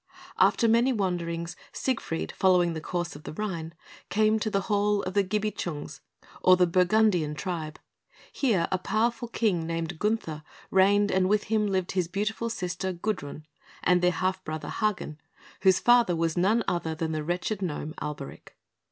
After many wanderings, Siegfried, following the course of the Rhine, came to the Hall of the Gibichungs, or Burgundian tribe. Here a powerful king, named Gunther, reigned, and with him lived his beautiful sister, Gudrun, and their half brother, Hagen, whose father was none other than the wretched gnome, Alberic.